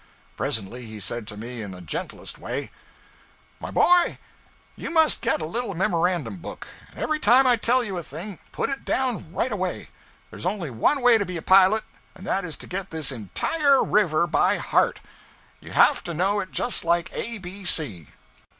Presently he said to me in the gentlest way 'My boy, you must get a little memorandum book, and every time I tell you a thing, put it down right away. There's only one way to be a pilot, and that is to get this entire river by heart. You have to know it just like A B C.'